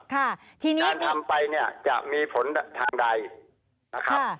ค่ะทีนี้การทำไปเนี่ยจะมีผลทางใดนะครับ